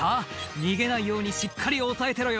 逃げないようにしっかり抑えてろよ」